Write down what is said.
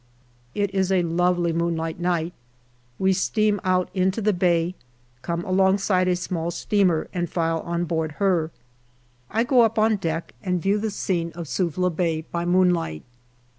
It is a lovely moonlight night. We steam out into the bay, come alongside a small steamer, and file on board her. I go up on deck and view the scene of Suvla Bay by moonlight.